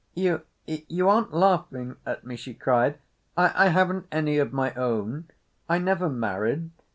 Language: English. "You—you aren't laughing at me," she cried. "I—I haven't any of my own. I never married.